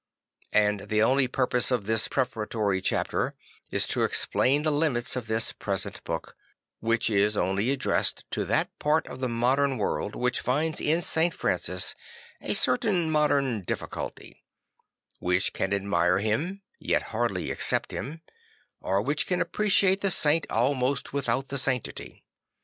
And the only purpose of this prefatory chapter is to eXylain the limits of this present book; which is only addressed to that part of the modern world which finds in St. Francis a certain modern difficulty; which can admire him yet hardly accept him, or which can appreciate the saint almost without the sanctity.